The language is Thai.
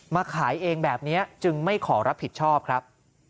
มาขายเองแบบนี้จึงไม่ขอรับผิดชอบครับ